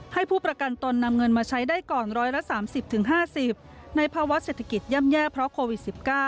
ให้ผู้ประกันตนนำเงินมาใช้ได้ก่อน๑๓๐๕๐ในภาวะเศรษฐกิจย่ำแย่เพราะโควิด๑๙